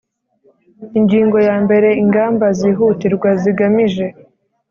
Ingingo yambere Ingamba zihutirwa zigamije